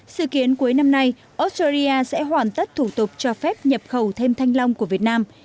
sự kiến cuối năm nay australia sẽ hoàn tất thủ tục cho phép nhập khẩu thêm thanh long của việt nam